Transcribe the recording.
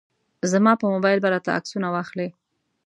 زما په موبایل به راته عکسونه واخلي.